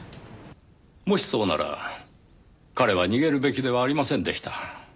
もしそうなら彼は逃げるべきではありませんでした。